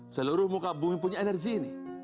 seluruh muka bumi punya energi ini